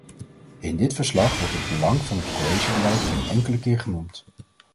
In dit verslag wordt het belang van het cohesiebeleid geen enkele keer genoemd.